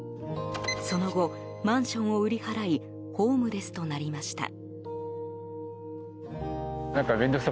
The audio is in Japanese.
その後、マンションを売り払いホームレスとなりました。